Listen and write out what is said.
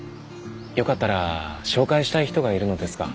よかったら紹介したい人がいるのですが。